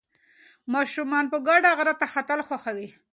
ماشومان په ګډه غره ته ختل خوښوي.